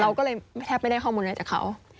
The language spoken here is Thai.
เราก็เลยแทบไม่ได้ข้อมูลอะไรจากเขา